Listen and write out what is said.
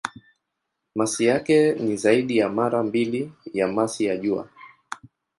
Masi yake ni zaidi ya mara mbili ya masi ya Jua.